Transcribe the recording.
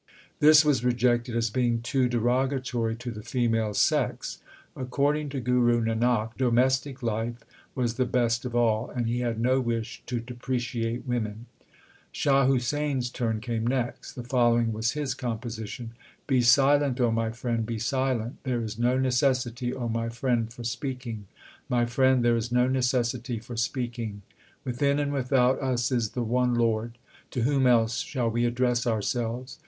This was rejected as being too derogatory to the female sex. According to Guru Nanak, domestic life was the best of all, and he had no wish to depreciate women. Shah Husain s turn came next. The following was his composition : Be silent, my friend, be silent ; There is no necessity, O my friend, for speaking ; My friend, there is no necessity for speaking. 1 Also translated Thou art the true successor of the true Guru LIFE OF GURU ARJAN 63 Within and without us is the one Lord ; to whom else shall we address ourselves